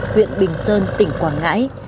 huyện bình sơn tỉnh quảng ngãi